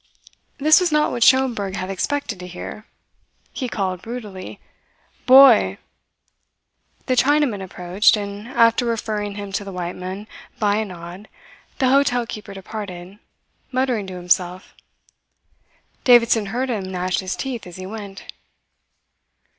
This was not what Schomberg had expected to hear. He called brutally: "Boy!" The Chinaman approached, and after referring him to the white man by a nod the hotel keeper departed, muttering to himself. Davidson heard him gnash his teeth as he went.